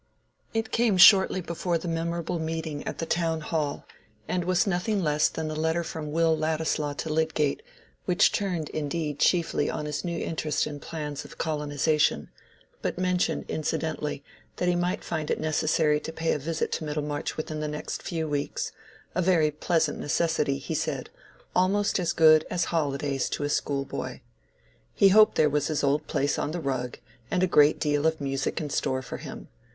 It came shortly before the memorable meeting at the town hall, and was nothing less than a letter from Will Ladislaw to Lydgate, which turned indeed chiefly on his new interest in plans of colonization, but mentioned incidentally, that he might find it necessary to pay a visit to Middlemarch within the next few weeks—a very pleasant necessity, he said, almost as good as holidays to a schoolboy. He hoped there was his old place on the rug, and a great deal of music in store for him.